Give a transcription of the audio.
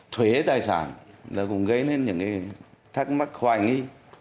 thuế tài sản là cũng gây nên những cái thắc mắc hoài nghi